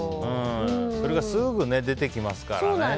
それがすぐ出てきますからね。